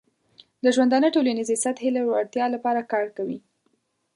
د ژوندانه ټولنیزې سطحې لوړتیا لپاره کار کوي.